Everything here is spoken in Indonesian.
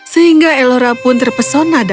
sehingga ellora pun terpesona